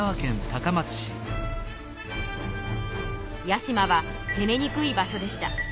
屋島はせめにくい場所でした。